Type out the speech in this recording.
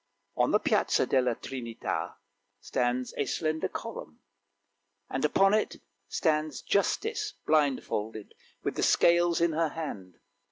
On the Piazza della Trinita stands a slender column, and upon it stands Justice blindfolded, with the scales in her hand.